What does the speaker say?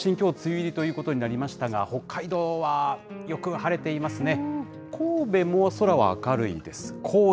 関東甲信、きょう梅雨入りということになりましたが、北海道はよく晴れていますね。